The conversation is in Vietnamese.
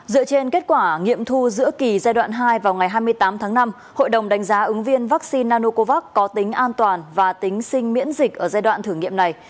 dựa trên kết quả nghiệm thu giữa kỳ giai đoạn hai vào ngày hai mươi tám tháng năm hội đồng đánh giá ứng viên vaccine nanocovax có tính an toàn và tính sinh miễn dịch ở giai đoạn thử nghiệm này